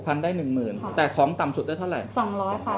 ได้หนึ่งหมื่นแต่ของต่ำสุดได้เท่าไหร่สองร้อยค่ะ